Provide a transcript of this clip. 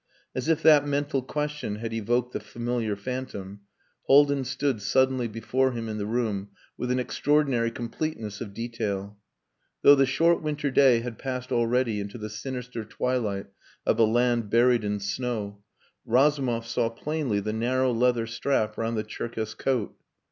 As if that mental question had evoked the familiar phantom, Haldin stood suddenly before him in the room with an extraordinary completeness of detail. Though the short winter day had passed already into the sinister twilight of a land buried in snow, Razumov saw plainly the narrow leather strap round the Tcherkess coat.